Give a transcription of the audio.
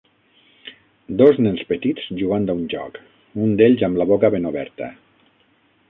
Dos nens petits jugant a un joc, un d'ells amb la boca ben oberta.